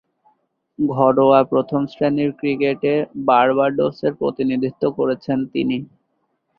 ঘরোয়া প্রথম-শ্রেণীর ক্রিকেটে বার্বাডোসের প্রতিনিধিত্ব করেছেন তিনি।